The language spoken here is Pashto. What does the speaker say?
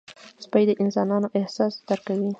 سپي د انسانانو احساس درک کوي.